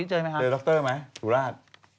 เจอด๊อคเตอร์ไหมสุราช